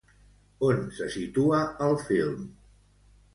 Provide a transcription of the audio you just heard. On se situa el film?